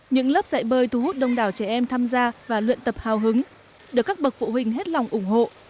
những lớp dạy bơi thu hút đông đảo trẻ em tham gia và luyện tập hào hứng được các bậc phụ huynh hết lòng ủng hộ